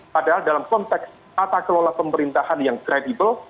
padahal dalam konteks tata kelola pemerintahan yang kredibel